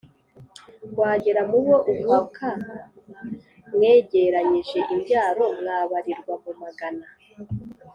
Wagera mubo uvuka Mwegeranyije imbyaro Mwabarirwa mu magana ;